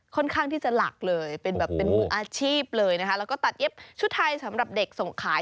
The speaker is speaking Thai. ค่อนข้างที่จะหลักเลยเป็นแบบเป็นมืออาชีพเลยนะคะแล้วก็ตัดเย็บชุดไทยสำหรับเด็กส่งขาย